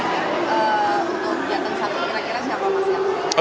kira kira siapa masnya